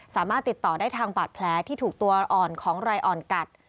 สามารถติดต่อได้ทางบาดแผลที่ถูกตัวอ่อนของรายอ่อนกัด